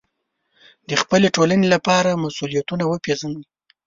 د خپلې ټولنې لپاره مسوولیتونه وپېژنئ.